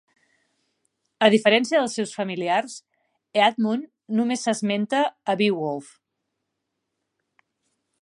A diferència dels seus familiars, Eanmund només s'esmenta a Beowulf.